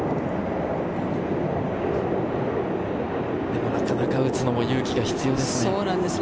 でも、なかなか打つのも勇気が必要ですよね。